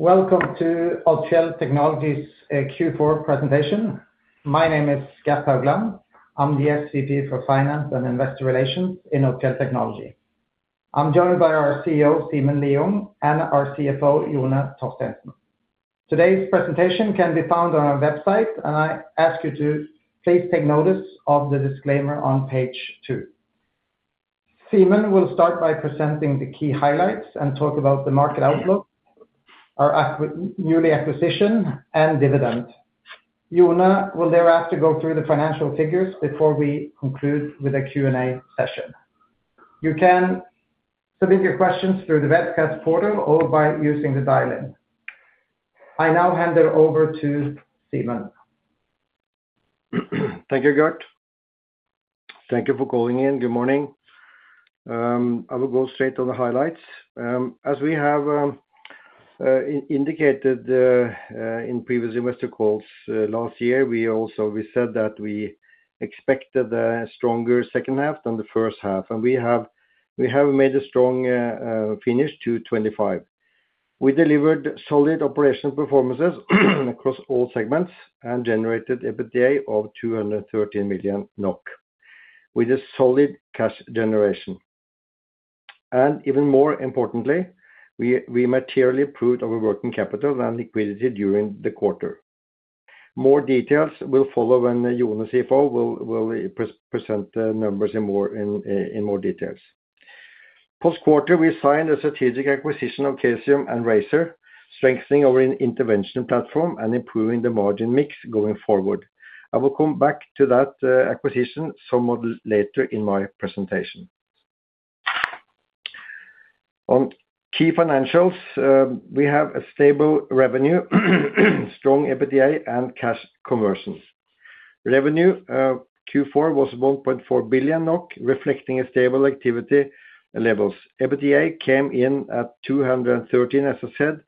Welcome to Odfjell Technology's Q4 presentation. My name is Gert Haugland. I'm the SVP for Finance and Investor Relations in Odfjell Technology. I'm joined by our CEO, Simen Lieungh, and our CFO, Jone Torstensen. Today's presentation can be found on our website, and I ask you to please take notice of the disclaimer on page two. Simen will start by presenting the key highlights and talk about the market outlook, our newly acquisition, and dividend. Jone will thereafter go through the financial figures before we conclude with a Q&A session. You can submit your questions through the webcast portal or by using the dial-in. I now hand it over to Simen. Thank you, Gert. Thank you for calling in. Good morning. I will go straight to the highlights. As we have indicated in previous investor calls last year, we also said that we expected a stronger second half than the first half, we have made a strong finish to 2025. We delivered solid operational performances across all segments and generated EBITDA of 213 million NOK, with a solid cash generation. Even more importantly, we materially improved our working capital and liquidity during the quarter. More details will follow when Jone, CFO, will present the numbers in more details. Post-quarter, we signed a strategic acquisition of Kaseum and Razor, strengthening our interventional platform and improving the margin mix going forward. I will come back to that acquisition somewhat later in my presentation. On key financials, we have a stable revenue, strong EBITDA and cash conversions. Revenue Q4 was 1.4 billion NOK, reflecting a stable activity levels. EBITDA came in at 213, as I said,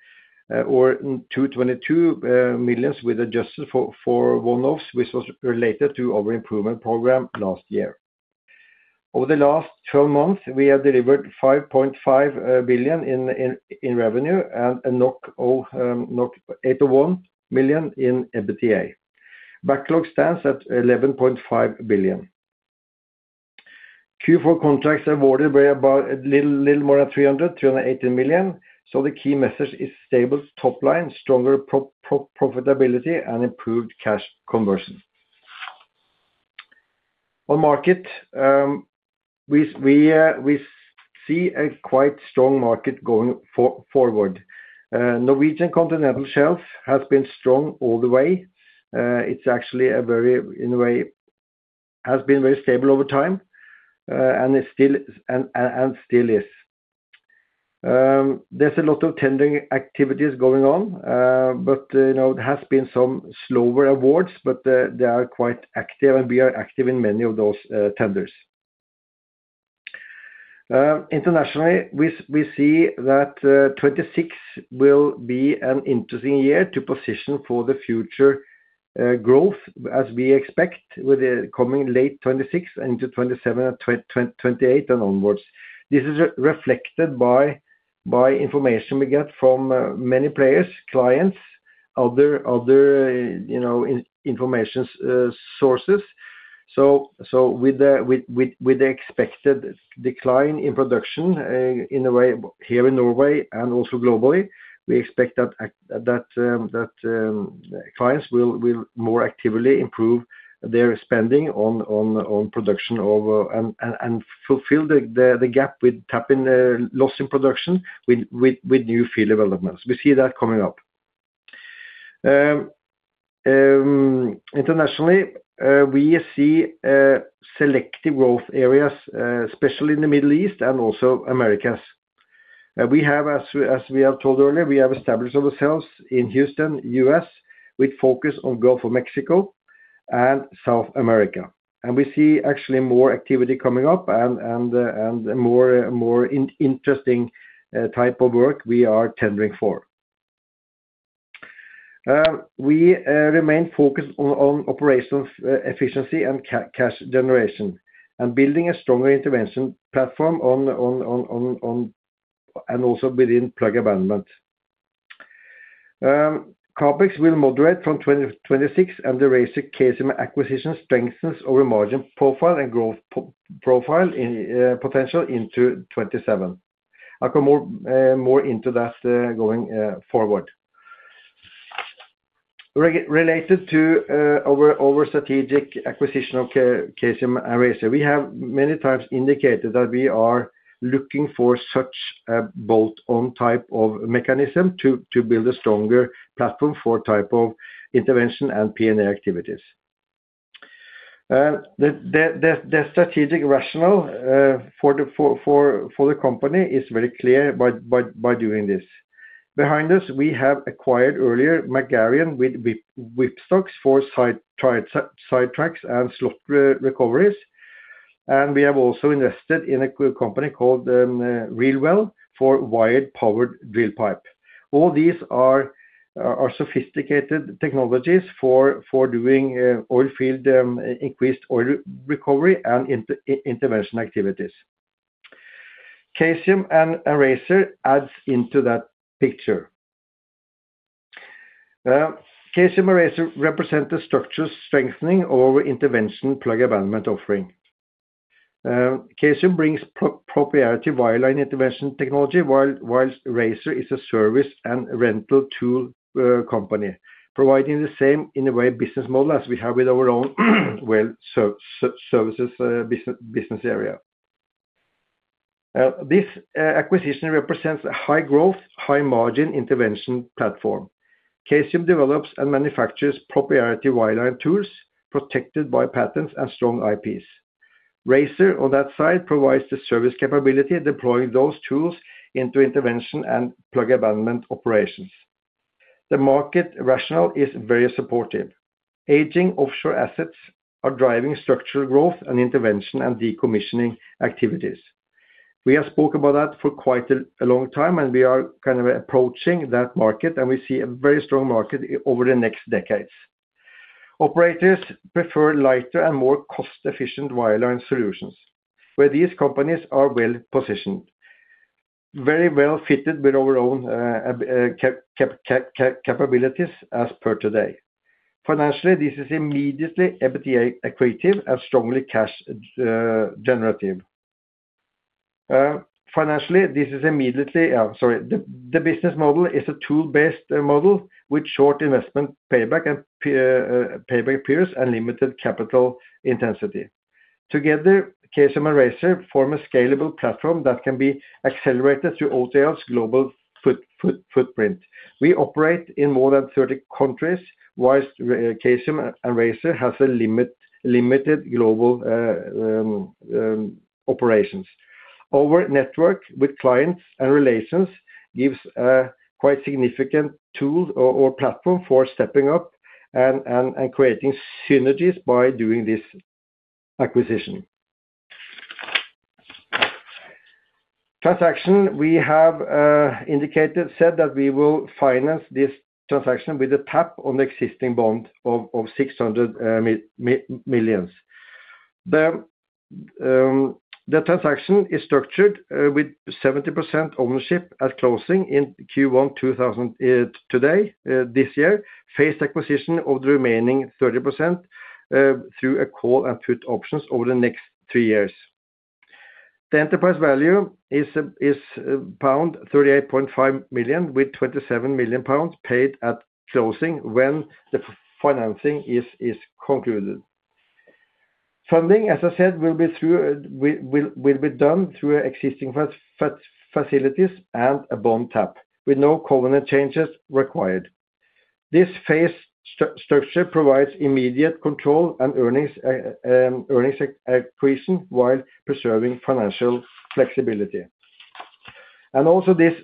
or 222 millions, adjusted for one-offs, which was related to our improvement program last year. Over the last 12 months, we have delivered 5.5 billion in revenue and 801 million in EBITDA. Backlog stands at 11.5 billion. Q4 contracts awarded were about a little more than 318 million. The key message is stable top line, stronger profitability, and improved cash conversion. On market, we, we see a quite strong market going forward. Norwegian Continental Shelf has been strong all the way. It's actually a very, in a way, has been very stable over time, and it still is. There's a lot of tendering activities going on, you know, there has been some slower awards, but they are quite active, and we are active in many of those tenders. Internationally, we see that 2026 will be an interesting year to position for the future growth, as we expect, with the coming late 2026 and into 2027 and 2028 and onwards. This is reflected by information we get from many players, clients, other, you know, informations sources. With the expected decline in production, in a way, here in Norway and also globally, we expect that clients will more actively improve their spending on production over and fulfill the gap with tapping loss in production with new field developments. We see that coming up. Internationally, we see selective growth areas, especially in the Middle East and also Americas. We have, as we have told earlier, we have established ourselves in Houston, US, with focus on Gulf of Mexico and South America. We see actually more activity coming up and more interesting type of work we are tendering for. We remain focused on operations, efficiency and cash generation, and building a stronger intervention platform on, and also within plug abandonment. CapEx will moderate from 2026, and the Razor Kaseum acquisition strengthens our margin profile and growth profile potential into 2027. I'll come more, more into that going forward. Related to our strategic acquisition of Kaseum and Razor, we have many times indicated that we are looking for such a bolt-on type of mechanism to build a stronger platform for type of intervention and P&A activities. The strategic rationale for the company is very clear by doing this. Behind us, we have acquired earlier McGarian with whipstocks for sidetracks and slot recoveries. We have also invested in a good company called Reelwell, for wired-powered drill pipe. All these are sophisticated technologies for doing oil field increased oil recovery and intervention activities. Kaseum and Razor adds into that picture. Kaseum and Razor represent the structure strengthening or intervention plug abandonment offering. Kaseum brings proprietary wireline intervention technology, whilst Razor is a service and rental tool company, providing the same in a way, business model as we have with our own well services business area. This acquisition represents a high growth, high margin intervention platform. Kaseum develops and manufactures proprietary wireline tools protected by patents and strong IPs. Razor, on that side, provides the service capability, deploying those tools into intervention and plug abandonment operations. The market rationale is very supportive. Aging offshore assets are driving structural growth and intervention and decommissioning activities. We have spoke about that for quite a long time, and we are kind of approaching that market, and we see a very strong market over the next decades. Operators prefer lighter and more cost-efficient wireline solutions, where these companies are well positioned, very well fitted with our own capabilities as per today. Financially, this is immediately EBITDA accretive and strongly cash generative. Financially, this is immediately, sorry. The business model is a tool-based model with short investment payback and payback periods and limited capital intensity. Together, Kaseum and Razor Oiltools form a scalable platform that can be accelerated through Odfjell's global footprint. We operate in more than 30 countries, whilst Kaseum and Razor Oiltools has a limited global operations. Our network with clients and relations gives quite significant tools or platform for stepping up and creating synergies by doing this acquisition. Transaction, we have indicated, said that we will finance this transaction with a tap on the existing bond of NOK 600 million. The transaction is structured with 70% ownership at closing in Q1 2024. Phased acquisition of the remaining 30% through a call and put options over the next three years. The enterprise value is pound 38.5 million, with 27 million pounds paid at closing when the financing is concluded. Funding, as I said, will be done through existing facilities and a bond tap with no covenant changes required. This phase structure provides immediate control and earnings accretion while preserving financial flexibility. Also this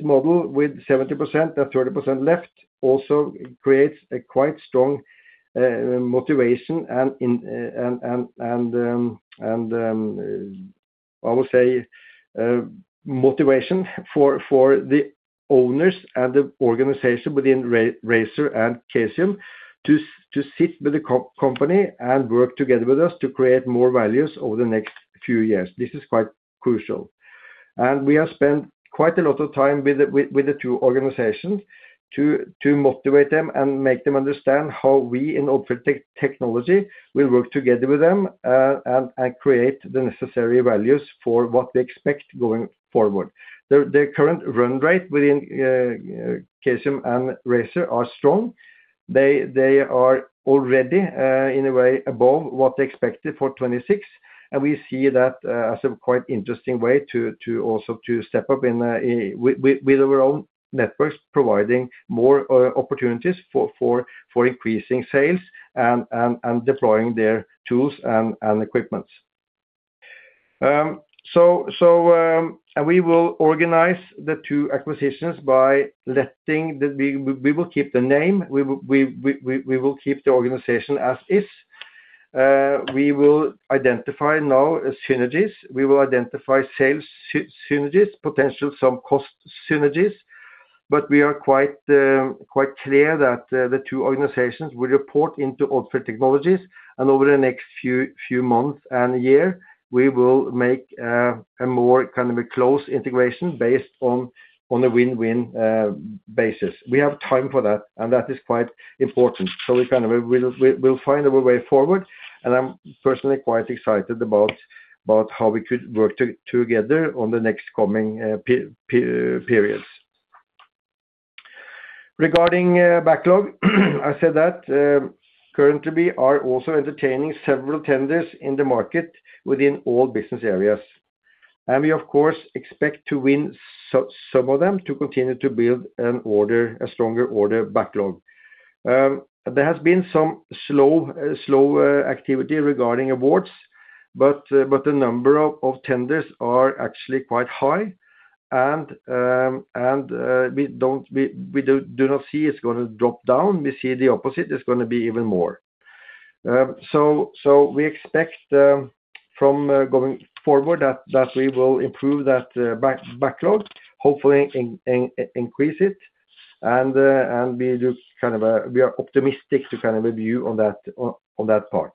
model with 70% and 30% left, creates a quite strong motivation and I would say motivation for the owners and the organization within Razor and Kaseum to sit with the company and work together with us to create more values over the next few years. This is quite crucial. We have spent quite a lot of time with the two organizations to motivate them and make them understand how we in Odfjell Technology will work together with them, and create the necessary values for what they expect going forward. Their current run rate within Kaseum and Razor are strong. They are already in a way above what they expected for 26, and we see that as a quite interesting way to also to step up in with our own networks, providing more opportunities for increasing sales and deploying their tools and equipments. We will organize the two acquisitions by letting we will keep the name, we will keep the organization as is. We will identify now synergies. We will identify sales synergies, potential, some cost synergies, but we are quite clear that the two organizations will report into Odfjell Technology, and over the next few months and year, we will make a more kind of a close integration based on a win-win basis. We have time for that, and that is quite important. We kind of, we'll find our way forward, and I'm personally quite excited about how we could work together on the next coming periods. Regarding backlog, I said that currently we are also entertaining several tenders in the market within all business areas, and we, of course, expect to win some of them to continue to build an order, a stronger order backlog. There has been some slow activity regarding awards, but the number of tenders are actually quite high, we don't see it's gonna drop down. We see the opposite. It's gonna be even more. We expect from going forward that we will improve that backlog, hopefully increase it. We do kind of, we are optimistic to kind of review on that part.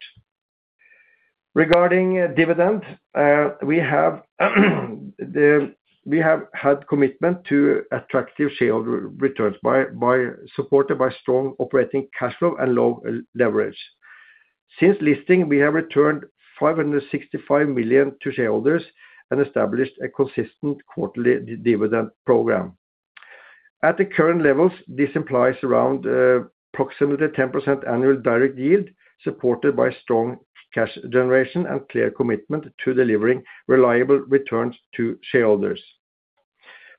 Regarding dividend, we have had commitment to attractive shareholder returns supported by strong operating cash flow and low leverage. Since listing, we have returned 565 million to shareholders and established a consistent quarterly dividend program. At the current levels, this implies around approximately 10% annual direct yield, supported by strong cash generation and clear commitment to delivering reliable returns to shareholders.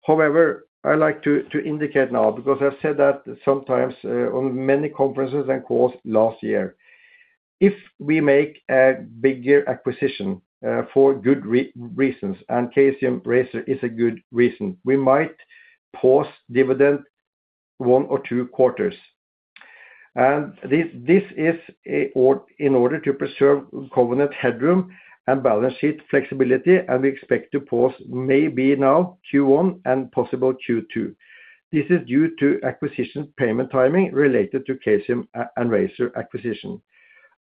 However, I like to indicate now, because I've said that sometimes on many conferences and calls last year, if we make a bigger acquisition for good reasons, and Kaseum Razor is a good reason, we might pause dividend one or two quarters. This is in order to preserve covenant headroom and balance sheet flexibility, and we expect to pause maybe now Q1 and possible Q2. This is due to acquisition payment timing related to Kaseum and Razor acquisition.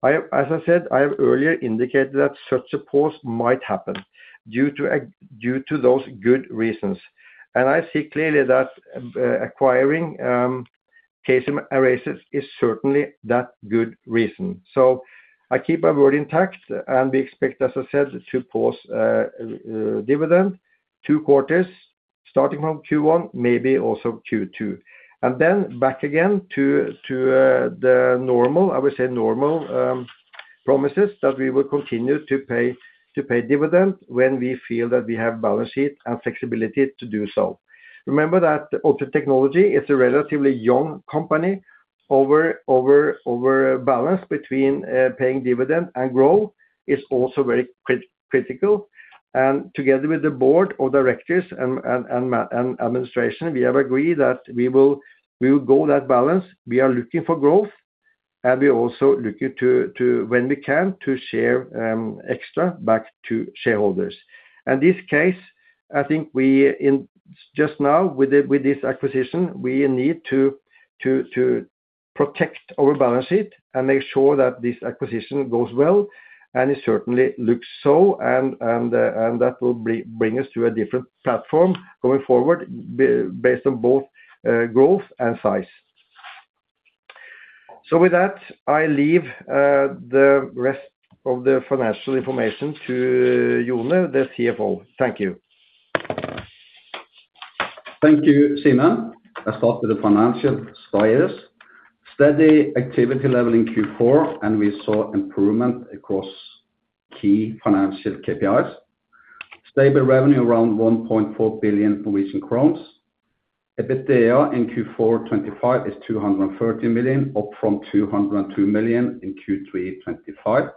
I, as I said, I have earlier indicated that such a pause might happen due to those good reasons. I see clearly that acquiring Kaseum and Razor is certainly that good reason. I keep my word intact, and we expect, as I said, to pause dividend two quarters, starting from Q1, maybe also Q2. Back again to the normal, I would say, promises that we will continue to pay dividend when we feel that we have balance sheet and flexibility to do so. Remember that Odfjell Technology is a relatively young company. Balance between paying dividend and growth is also very critical. Together with the board of directors and administration, we have agreed that we will go that balance. We are looking for growth, we also looking, when we can, to share extra back to shareholders. This case, I think we just now, with this acquisition, we need to protect our balance sheet and make sure that this acquisition goes well, and it certainly looks so, and that will bring us to a different platform going forward, based on both growth and size. With that, I leave the rest of the financial information to Jone, the CFO. Thank you. Thank you, Simen. I start with the financial slides. Steady activity level in Q4, we saw improvement across key financial KPIs. Stable revenue around 1.4 billion Norwegian crowns. EBITDA in Q4 2025 is 230 million, up from 202 million in Q3 2025.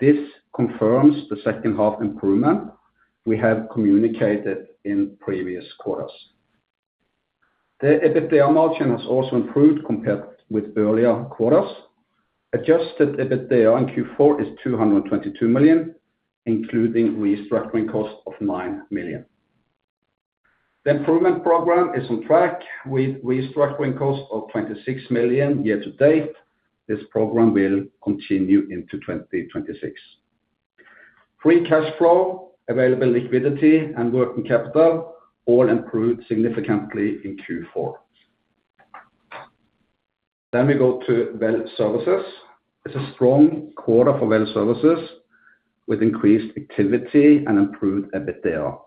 This confirms the second half improvement we have communicated in previous quarters. The EBITDA margin has also improved compared with earlier quarters. Adjusted EBITDA in Q4 is 222 million, including restructuring costs of 9 million. The improvement program is on track with restructuring costs of 26 million year to date. This program will continue into 2026. Free cash flow, available liquidity, and working capital all improved significantly in Q4. We go to Well Services. It's a strong quarter for Well Services, with increased activity and improved EBITDA.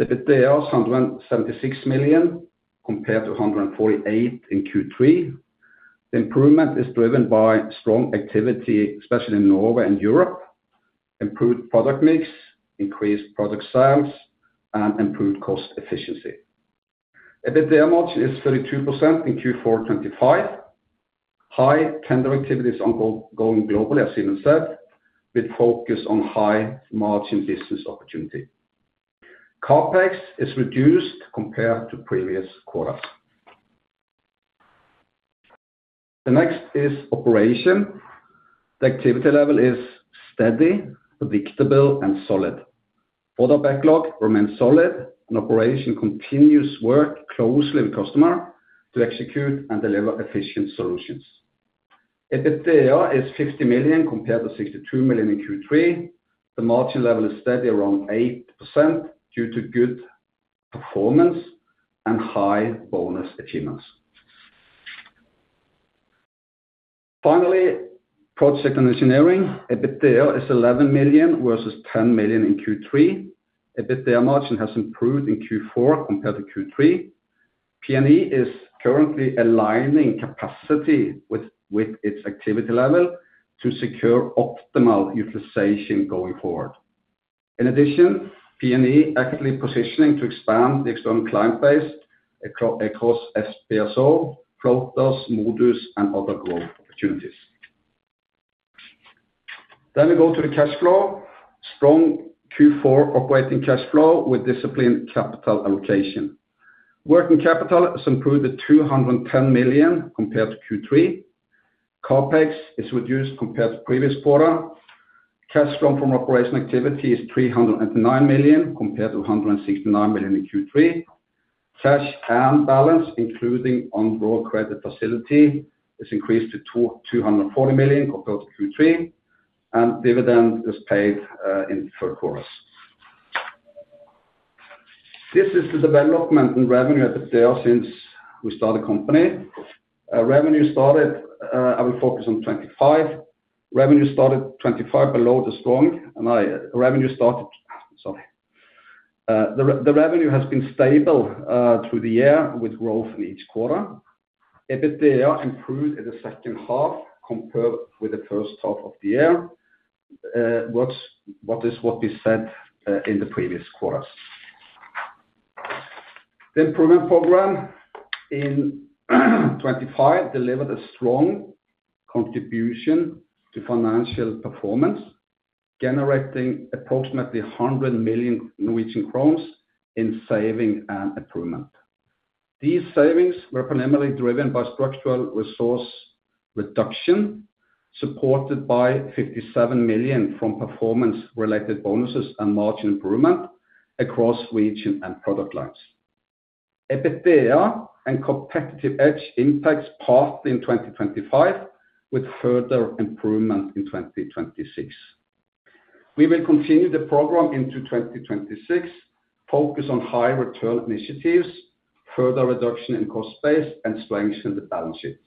EBITDA is 176 million, compared to 148 million in Q3. The improvement is driven by strong activity, especially in Norway and Europe, improved product mix, increased product sales, and improved cost efficiency. EBITDA margin is 32% in Q4 2025. High tender activities are go-going globally, as Simen said, with focus on high-margin business opportunity. CapEx is reduced compared to previous quarters. The next is operation. The activity level is steady, predictable, and solid. Order backlog remains solid, operation continues work closely with customer to execute and deliver efficient solutions. EBITDA is 50 million, compared to 62 million in Q3. The margin level is steady, around 8%, due to good performance and high bonus achievements. Finally, project and engineering. EBITDA is 11 million versus 10 million in Q3. EBITDA margin has improved in Q4 compared to Q3. P&E is currently aligning capacity with its activity level to secure optimal utilization going forward. In addition, P&E actively positioning to expand the external client base across FPSO, Protos, MODUs, and other growth opportunities. We go to the cash flow. Strong Q4 operating cash flow with disciplined capital allocation. Working capital has improved to 210 million compared to Q3. CapEx is reduced compared to previous quarter. Cash flow from operation activity is 309 million compared to 169 million in Q3. Cash hand balance, including on raw credit facility, is increased to 240 million compared to Q3, and dividend is paid in Q3. This is the development in revenue at the sale since we started the company. Revenue started, I will focus on 25. Revenue started 25 below the strong, revenue started, sorry. The revenue has been stable through the year with growth in each quarter. EBITDA improved in the second half compared with the first half of the year. What is what we said in the previous quarters. The improvement program in 2025 delivered a strong contribution to financial performance, generating approximately 100 million Norwegian crowns in saving and improvement. These savings were primarily driven by structural resource reduction, supported by 57 million from performance-related bonuses and margin improvement across region and product lines. EBITDA and competitive edge impacts passed in 2025, with further improvement in 2026. We will continue the program into 2026, focus on high return initiatives, further reduction in cost base, and strengthen the balance sheet.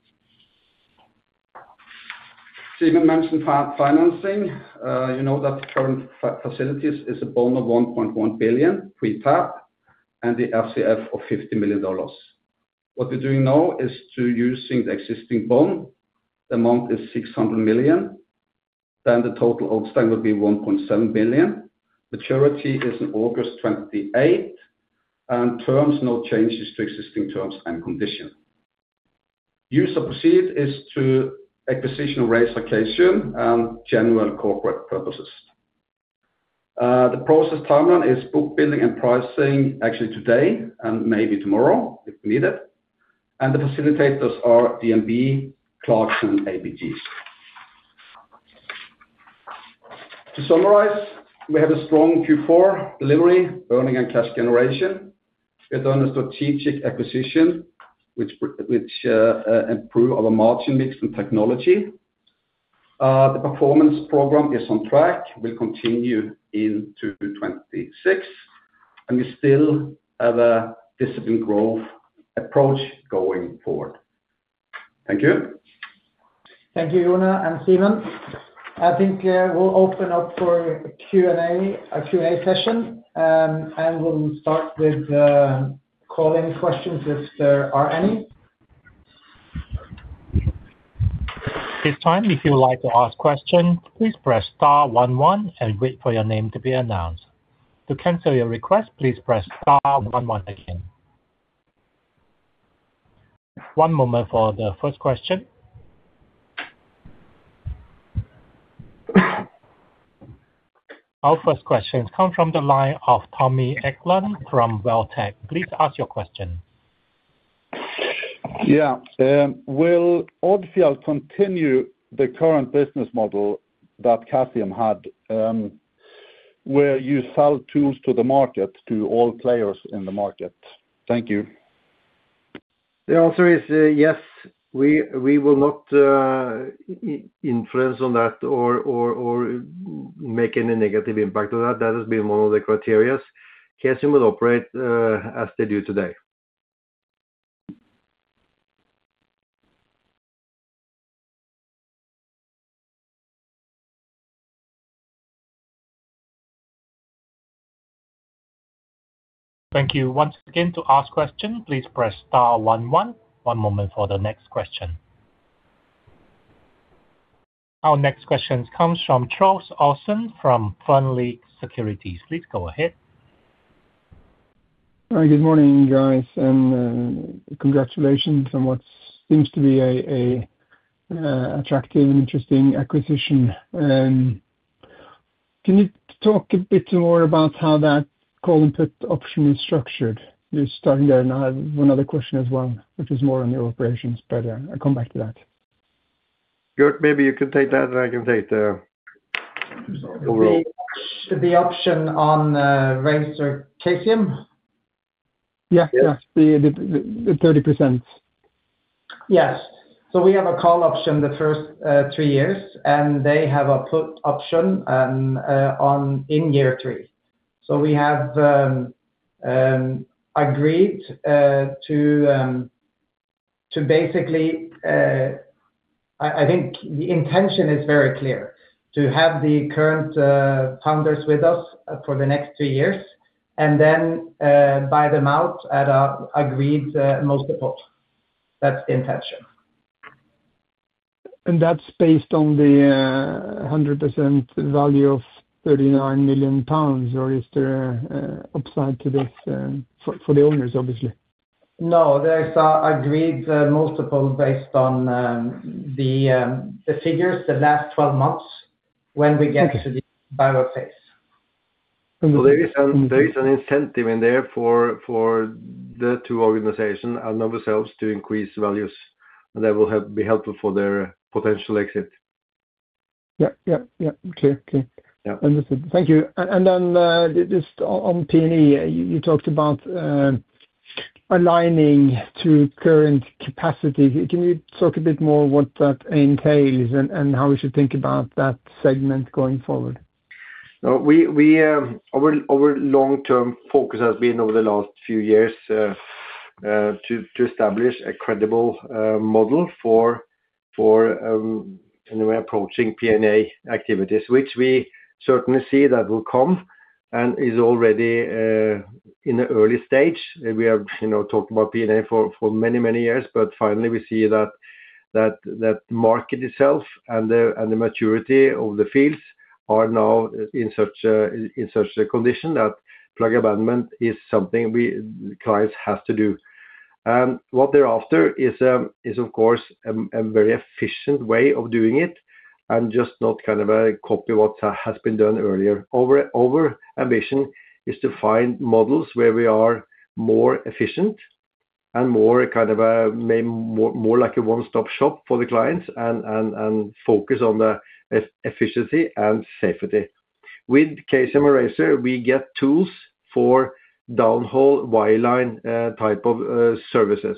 Simen mentioned financing. You know that the current facilities is a bond of 1.1 billion pre-tap and the LCF of $50 million. What we're doing now is to using the existing bond. The amount is 600 million, the total outstanding will be 1.7 billion. Maturity is in August 28th, terms, no changes to existing terms and conditions. Use of proceed is to acquisition of Razor Oiltools and general corporate purposes. The process timeline is book building and pricing actually today and maybe tomorrow, if needed. The facilitators are DNB, Clarksons, ABGs. To summarize, we have a strong Q4 delivery, earning and cash generation. We've done a strategic acquisition, which improve our margin mix and technology. The performance program is on track, will continue into 2026, we still have a disciplined growth approach going forward. Thank you. Thank you, Jone and Simen. I think, we'll open up for a Q&A session. We'll start with calling questions, if there are any. This time, if you would like to ask question, please press star one-one and wait for your name to be announced. To cancel your request, please press star one-one again. One moment for the first question. Our first question comes from the line of Tommy Eklund from Carnegie. Please ask your question. Yeah. Will Odfjell continue the current business model that Kaseum had, where you sell tools to the market, to all players in the market? Thank you. The answer is yes. We will not influence on that or make any negative impact on that. That has been one of the criterias. Kaseum will operate as they do today. Thank you. Once again, to ask question, please press star one-one. One moment for the next question. Our next question comes from Truls Olsen from Fearnley Securities. Please go ahead. Hi, good morning, guys, congratulations on what seems to be a attractive and interesting acquisition. Can you talk a bit more about how that call and put option is structured? Just starting there, I have one other question as well, which is more on your operations, I'll come back to that. Georg, maybe you can take that, and I can take the overall. The option on Razor Kaseum? Yeah, yeah. Yes. The, the, the thirty percent. Yes. We have a call option the first three years, and they have a put option on, in year three. We have agreed to basically, I think the intention is very clear: to have the current founders with us for the next three years and then buy them out at a agreed multiple. That's the intention. That's based on the 100% value of 39 million pounds, or is there upside to this for the owners, obviously? No, there's a agreed multiple based on the figures the last 12 months when we get to the buyout phase. There is an incentive in there for the two organization and ourselves to increase values, and that will be helpful for their potential exit. Yep, yep. Okay, okay. Yeah. Understood. Thank you. Then, just on P&E, you talked about aligning to current capacity. Can you talk a bit more what that entails and how we should think about that segment going forward? Well, we, our long-term focus has been over the last few years, to establish a credible model for when we're approaching P&A activities, which we certainly see that will come, and is already in the early stage. We have, you know, talked about P&A for many, many years, but finally, we see that market itself and the maturity of the fields are now in such a condition that plug abandonment is something clients have to do. What they're after is of course a very efficient way of doing it, and just not kind of a copy what has been done earlier. Our ambition is to find models where we are more efficient and more kind of a, maybe, more like a one-stop shop for the clients and focus on the efficiency and safety. With Kaseum Razor, we get tools for downhole wireline type of services.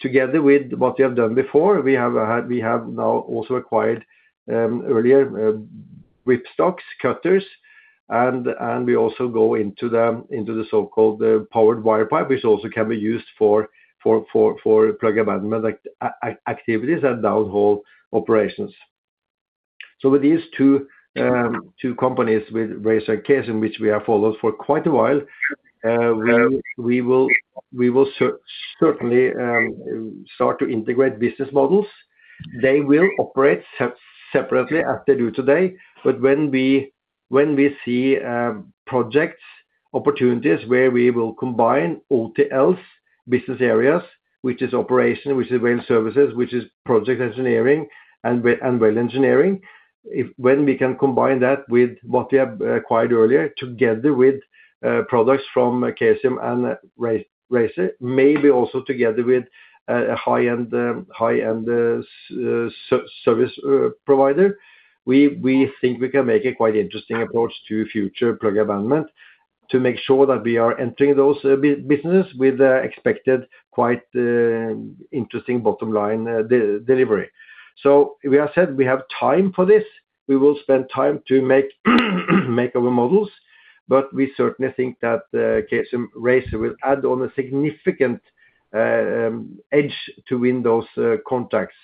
Together with what we have done before, we have now also acquired earlier whipstocks, cutters, and we also go into the into the so-called powered wire pipe, which also can be used for plug abandonment activities and downhole operations. With these two companies, with Razor and Kaseum, which we have followed for quite a while, we will certainly start to integrate business models. They will operate separately as they do today, but when we, when we see projects, opportunities where we will combine OTL's business areas, which is operation, which is well services, which is project engineering and well engineering. When we can combine that with what we have acquired earlier, together with products from Kaseum and Razor, maybe also together with a high-end, high-end service provider, we think we can make a quite interesting approach to future plug abandonment to make sure that we are entering those businesses with expected, quite interesting bottom line delivery. We have said we have time for this. We will spend time to make our models, but we certainly think that Kaseum Razor will add on a significant edge to win those contacts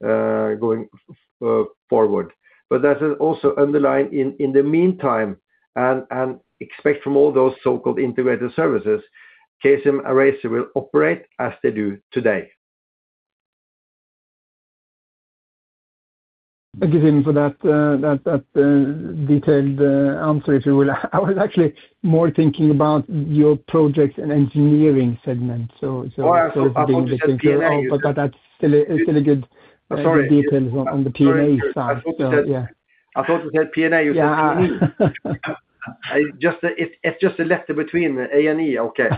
going forward. That is also underlined in the meantime, and expect from all those so-called integrated services, KSM and Razor will operate as they do today. Thank you, Sim, for that detailed answer, if you will. I was actually more thinking about your projects and engineering segment, so. Oh, I thought you said P&A. It's still a good- Sorry. Details on the P&A side. Sorry. Yeah. I thought you said P&A. Yeah. I just, it's just a letter between A and E, okay?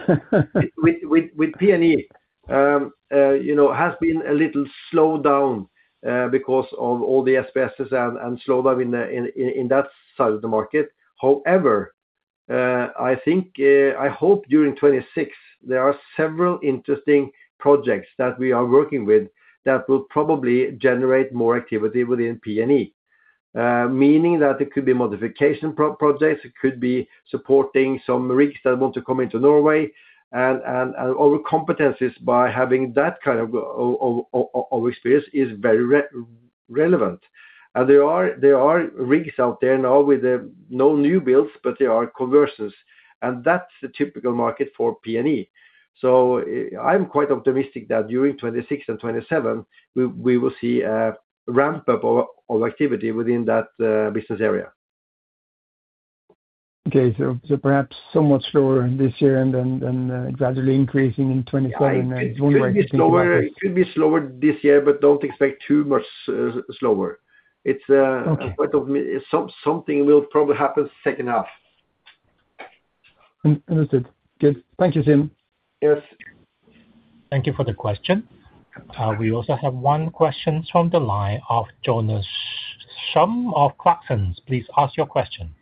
With P&E, you know, has been a little slowed down because of all the SPS and slowdown in that side of the market. However, I think I hope during 2026, there are several interesting projects that we are working with that will probably generate more activity within P&E. Meaning that it could be modification projects, it could be supporting some rigs that want to come into Norway, and our competencies by having that kind of experience is very relevant. There are rigs out there now with no new builds, but there are converses, and that's the typical market for P&E. I'm quite optimistic that during 2026 and 2027, we will see a ramp up of activity within that business area. Okay. Perhaps so much slower this year and then gradually increasing in 2025- Yeah, it could be slower, it could be slower this year, but don't expect too much, slower. It's something will probably happen second half. Understood. Good. Thank you, Sim. Yes. Thank you for the question. We also have one question from the line of Jonas Shum of Clarksons Securities. Please ask your question.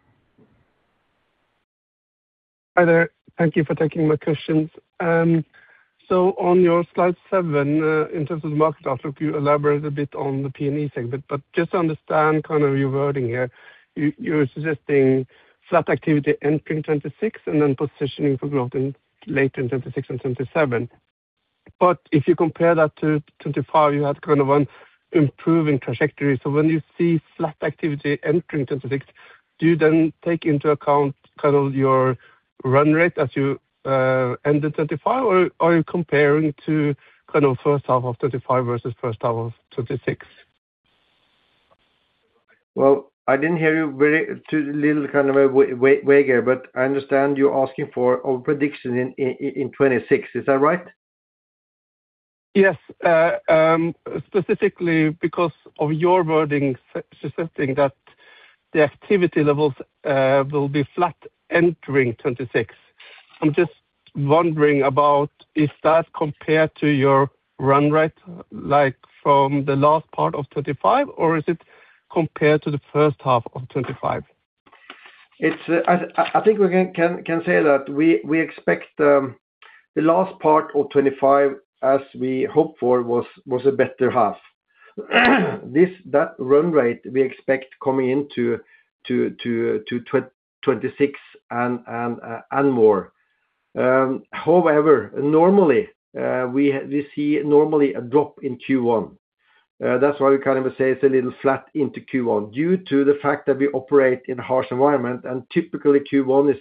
Hi there. Thank you for taking my questions. On your slide seven, in terms of the market outlook, you elaborate a bit on the P&E segment, but just to understand kind of your wording here, you're suggesting flat activity entering 2026 and then positioning for growth in later in 2026 and 2027. If you compare that to 2025, you had kind of an improving trajectory. When you see flat activity entering 2026, do you then take into account kind of your run rate as you ended 2025 or are you comparing to kind of first half of 2025 versus first half of 2026? Well, I didn't hear you very, too little, kind of, way here, but I understand you're asking for a prediction in 2026. Is that right? Specifically because of your wording, suggesting that the activity levels will be flat entering 2026. I'm just wondering about, is that compared to your run rate, like from the last part of 2025, or is it compared to the first half of 2025? It's, I think we can say that we expect the last part of 25, as we hoped for, was a better half. This, that run rate we expect coming into to 26 and more. Normally, we see normally a drop in Q1. That's why we kind of say it's a little flat into Q1, due to the fact that we operate in a harsh environment, typically, Q1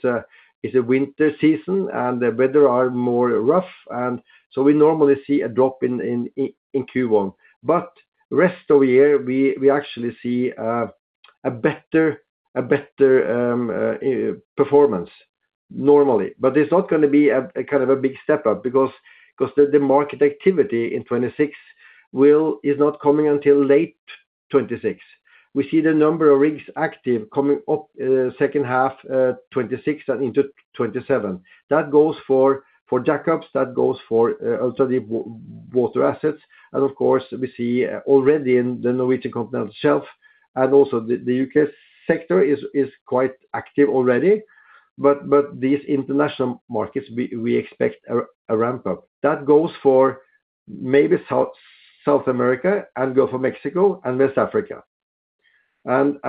is a winter season, the weather are more rough, so we normally see a drop in Q1. Rest of the year, we actually see a better performance normally. It's not gonna be a kind of a big step up because the market activity in 2026 is not coming until late 2026. We see the number of rigs active coming up, second half 2026 and into 2027. That goes for jackups, that goes for also the water assets. Of course, we see already in the Norwegian continental shelf and also the UK sector is quite active already. These international markets, we expect a ramp up. That goes for maybe South America and goes for Mexico and West Africa. I think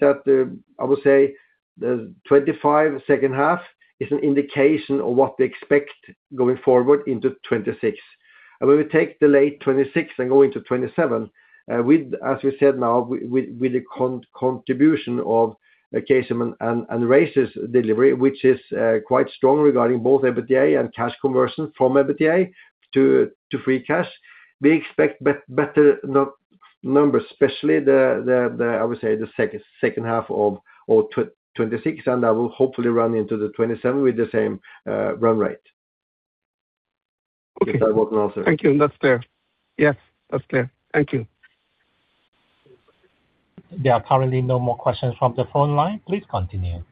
that the 2025 second half is an indication of what to expect going forward into 2026. When we take the late 26 and go into 27, with, as we said now, with the contribution of Kaseum and Razor's delivery, which is quite strong regarding both EBITDA and cash conversion from EBITDA to free cash, we expect better numbers, especially the, I would say, the second half of 26, and that will hopefully run into 27 with the same run rate. Okay. If that wasn't answer. Thank you. That's fair. Yes, that's clear. Thank you. There are currently no more questions from the phone line. Please continue.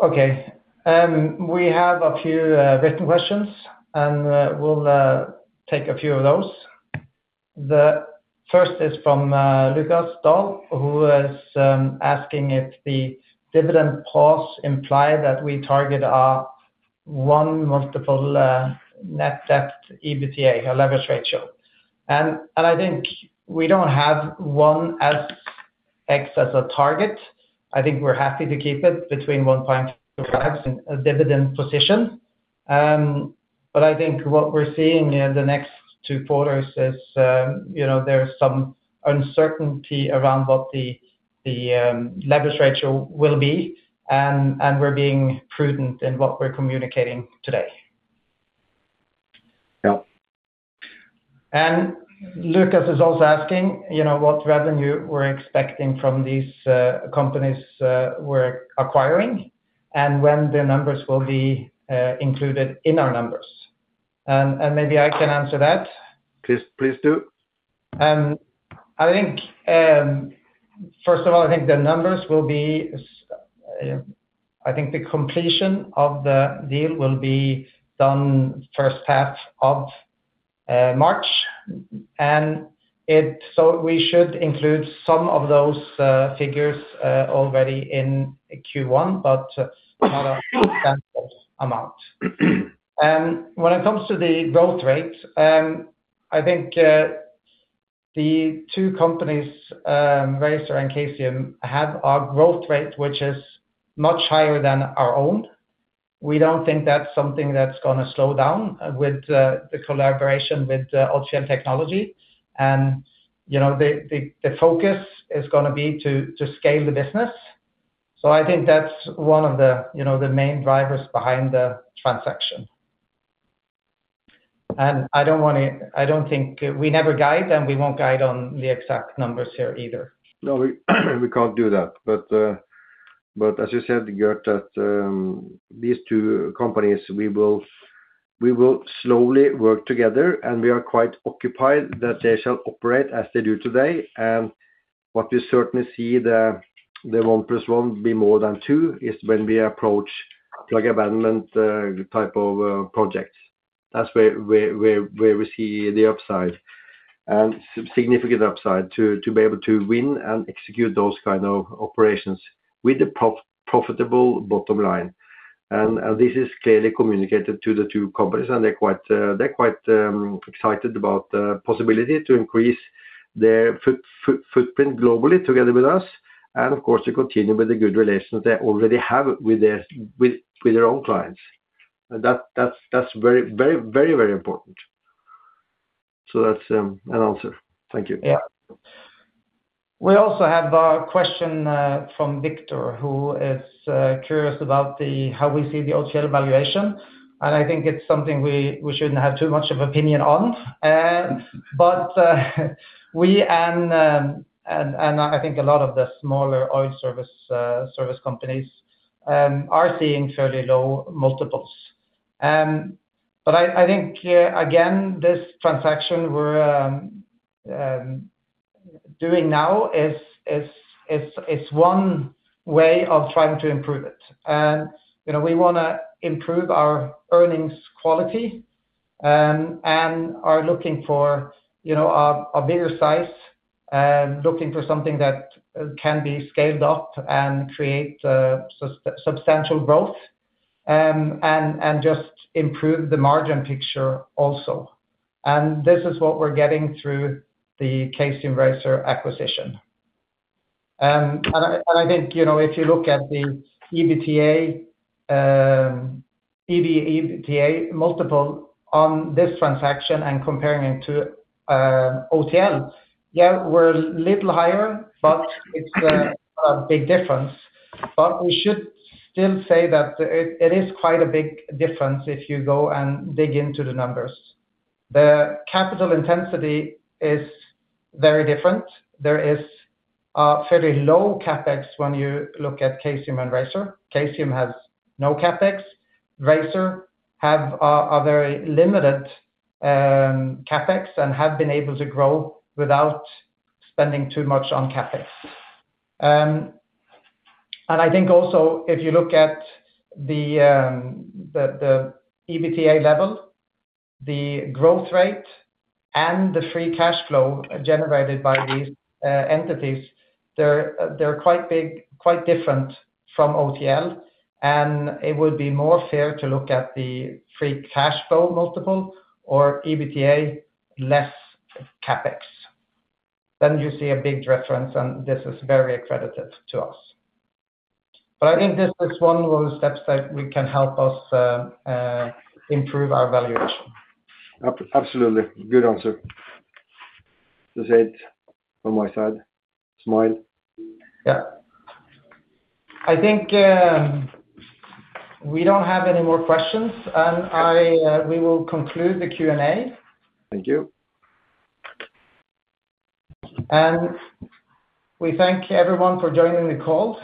Okay, we have a few written questions, and we'll take a few of those. The first is from Lukas Daul, who is asking if the dividend pause imply that we target our one multiple net debt EBITDA, a leverage ratio. I think we don't have one as X as a target. I think we're happy to keep it between one point a dividend position. But I think what we're seeing in the next two quarters is, you know, there's some uncertainty around what the leverage ratio will be, and we're being prudent in what we're communicating today. Yeah. Lukas is also asking, you know, what revenue we're expecting from these companies we're acquiring, and when the numbers will be included in our numbers. Maybe I can answer that. Please, please do. I think, first of all, I think the numbers will be, I think the completion of the deal will be done first half of March, so we should include some of those figures already in Q1, but not a substantial amount. When it comes to the growth rate, I think the two companies, Razor and Kaseum, have a growth rate which is much higher than our own. We don't think that's something that's gonna slow down with the collaboration with Odfjell Technology. You know, the, the focus is gonna be to scale the business. I think that's one of the, you know, the main drivers behind the transaction. I don't think we never guide, and we won't guide on the exact numbers here either. No, we can't do that. But as you said, Gert, that these two companies, we will slowly work together, and we are quite occupied that they shall operate as they do today. What we certainly see the one plus one be more than two, is when we approach plug abandonment type of projects. That's where we see the upside, and significant upside, to be able to win and execute those kind of operations with a profitable bottom line. This is clearly communicated to the two companies, and they're quite excited about the possibility to increase their footprint globally together with us. Of course, to continue with the good relations they already have with their own clients. That's very important. That's an answer. Thank you. Yeah. We also have a question from Victor, who is curious about how we see the OTL valuation, I think it's something we shouldn't have too much of opinion on. We and I think a lot of the smaller oil service companies are seeing fairly low multiples. I think again, this transaction we're doing now is one way of trying to improve it. You know, we wanna improve our earnings quality and are looking for, you know, a bigger size, and looking for something that can be scaled up and create substantial growth and just improve the margin picture also. This is what we're getting through the Razor Oiltools acquisition. I think, you know, if you look at the EBITA multiple on this transaction and comparing it to OTL, yeah, we're a little higher, but it's a big difference. We should still say that it is quite a big difference if you go and dig into the numbers. The capital intensity is very different. There is a very low CapEx when you look at Kaseum and Razor Oiltools. Kaseum has no CapEx. Razor Oiltools have a very limited CapEx and have been able to grow without spending too much on CapEx. I think also, if you look at the EBITA level, the growth rate, and the free cash flow generated by these entities, they're quite big, quite different from OTL. It would be more fair to look at the free cash flow multiple or EBITA less CapEx. You see a big difference. This is very accredited to us. I think this is one of those steps that we can help us improve our valuation. Absolutely. Good answer. That's it from my side. Smile. Yeah. I think, we don't have any more questions, and we will conclude the Q&A. Thank you. We thank everyone for joining the call,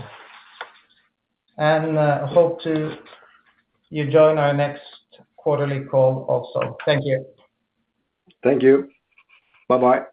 and, hope to you join our next quarterly call also. Thank you. Thank you. Bye-bye.